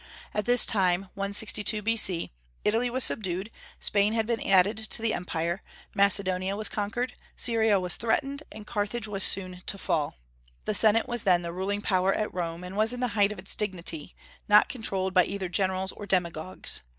At this time, 162 B.C., Italy was subdued, Spain had been added to the empire, Macedonia was conquered, Syria was threatened, and Carthage was soon to fall. The Senate was then the ruling power at Rome, and was in the height of its dignity, not controlled by either generals or demagogues.